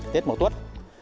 tết màu tuất